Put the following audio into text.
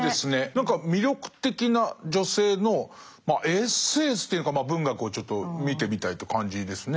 何か魅力的な女性のエッセンスというのかまあ文学をちょっと見てみたいって感じですね。